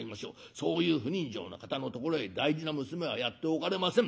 そういう不人情な方のところへ大事な娘はやっておかれません。